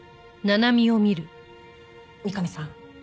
三上さん。